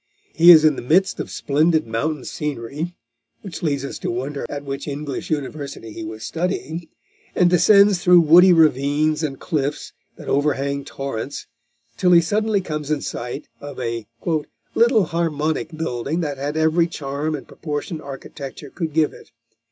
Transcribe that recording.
He is in the midst of splendid mountain scenery which leads us to wonder at which English University he was studying and descends through woody ravines and cliffs that overhang torrents, till he suddenly comes in sight of a "little harmonic building that had every charm and proportion architecture could give it."